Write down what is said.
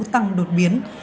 tăng đột biến